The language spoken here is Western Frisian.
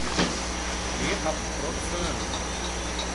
Geart hat in protte freonen.